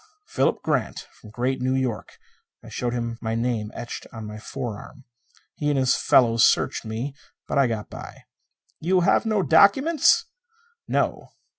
"Philip Grant. From Great New York." I showed him my name etched on my forearm. He and his fellows searched me, but I got by. "You have no documents?" "No."